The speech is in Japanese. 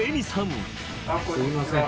すいません。